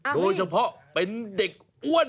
โดยเฉพาะเป็นเด็กอ้วน